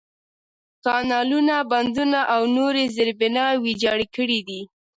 کانالونه، بندونه، او نورې زېربناوې ویجاړې کړي دي.